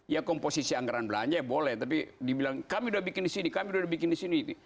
ya komposisi anggaran belanja boleh tapi dibilang kami udah bikin disini kami udah bikin disini